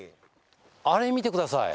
あれ見てください。